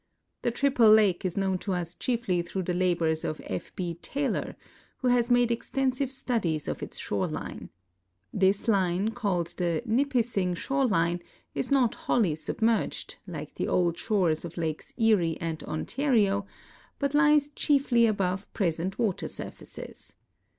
The trii)le lake is known to us chieflv through the labors of F. B. Taylor, who lia.s made extensive studies of its shore line. This line, called the Nipissing shore line, is not wholly submerged, like the old shores of lakes Erie and Ontario, but lies chietly ab..ve the 236 MODIFICATION OF THE GREAT LAKES present water surfaces.